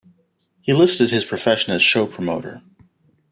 He listed his profession as "show promoter".